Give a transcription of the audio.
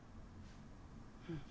うん。